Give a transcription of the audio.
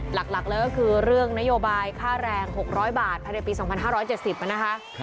หลักเลยก็คือเรื่องนโยบายค่าแรง๖๐๐บาทภายในปี๒๕๗๐นะคะ